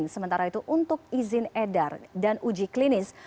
sementara itu untuk izin edar dan uji klinis